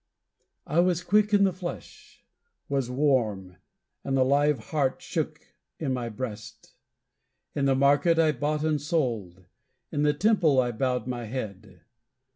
I was quick in the flesh, was warm, and the live heart shook my breast; In the market I bought and sold, in the temple I bowed my head.